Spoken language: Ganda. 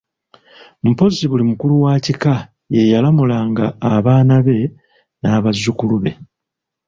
Mpozzi buli mukulu wa kika ye yalamulanga abaana be n'abazzukulu be.